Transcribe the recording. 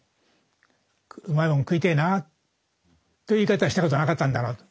「うまいもん食いてえなあ」って言い方したことなかったんだなと。